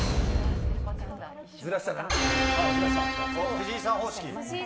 藤井さん方式。